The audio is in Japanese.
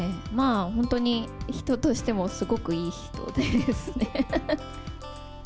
本当に人としてもすごくいい人ですね。